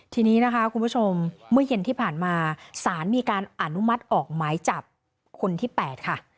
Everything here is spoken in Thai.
ทีนี้นะคะคุณผู้ชมเมื่อเย็นที่ผ่านมาสารมีการอนุมัติออกหมายจับคนที่๘ค่ะ